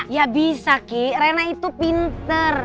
ya bisa kik rena itu pinter